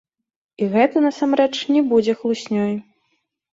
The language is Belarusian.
І гэта, насамрэч, не будзе хлуснёй.